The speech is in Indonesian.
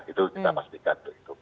itu kita pastikan